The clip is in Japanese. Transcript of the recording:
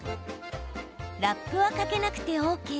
ラップは、かけなくてＯＫ。